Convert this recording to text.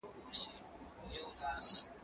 زه اوږده وخت ږغ اورم وم!.